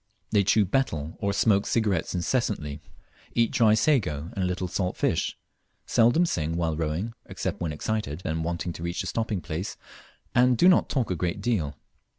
They chew betel or smoke cigarettes incessantly; eat dry sago and a little salt fish; seldom sing while rowing, except when excited and wanting to reach a stopping place, and do not talk a great deal.